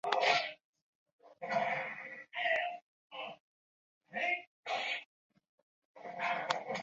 潮洲味菜师傅常利用花蟹制作冻蟹。